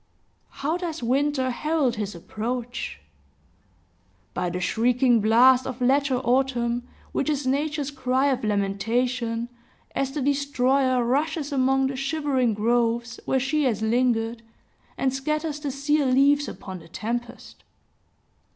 How does Winter herald his approach? By the shrieking blast of latter autumn, which is Nature's cry of lamentation, as the destroyer rushes among the shivering groves where she has lingered, and scatters the sear leaves upon the tempest.